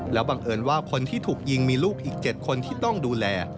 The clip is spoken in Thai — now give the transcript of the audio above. บังเอิญว่าคนที่ถูกยิงมีลูกอีก๗คนที่ต้องดูแล